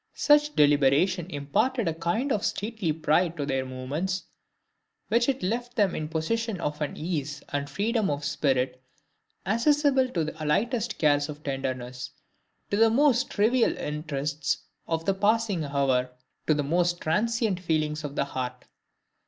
Such deliberation imparted a kind of stately pride to their movements, while it left them in possession of an ease and freedom of spirit accessible to the lightest cares of tenderness, to the most trivial interests of the passing hour, to the most transient feelings of the heart.